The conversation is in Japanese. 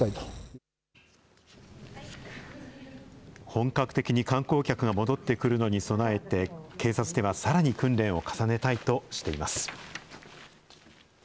本格的に観光客が戻ってくるのに備えて、警察ではさらに訓練を重ねたいとしています。